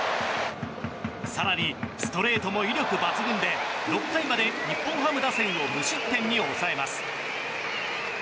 更に、ストレートも威力抜群で６回まで日本ハム打線を無失点に抑えます。